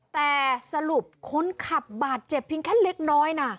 แต่สรุปคนขับบาดเจ็บเพียงแค่เล็กน้อยนะ